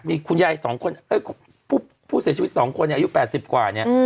มีคุณยาย๒คนผู้เสียชีวิต๒คนอายุ๘๐กว่าเนี่ย